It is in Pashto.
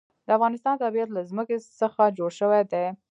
د افغانستان طبیعت له ځمکه څخه جوړ شوی دی.